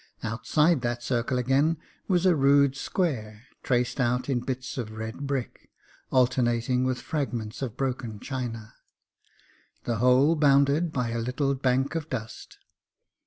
Outside that circle again was a rude square, traced out in bits of red brick alternating with fragments of broken china; the whole bounded by a little bank of dust.